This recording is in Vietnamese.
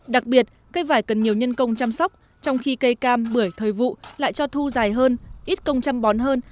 đặc biệt cây vải cần nhiều nhân công chăm sóc trong khi cây cam bưởi thời vụ lại cho thu dài hơn ít công chăm bón hơn